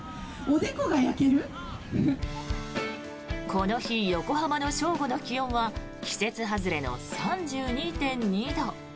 この日、横浜の正午の気温は季節外れの３２．２度。